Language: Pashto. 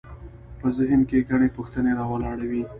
په ذهن کې ګڼې پوښتنې راولاړوي.